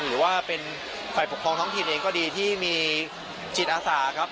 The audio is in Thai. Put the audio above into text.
หรือว่าเป็นฝ่ายปกครองท้องถิ่นเองก็ดีที่มีจิตอาสาครับ